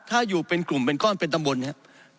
ถ้าอยู่เป็นกลุ่มเป็นก้อนเป็นตำบลนะครับ